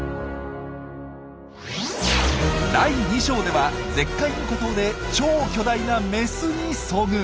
第２章では絶海の孤島で超巨大なメスに遭遇。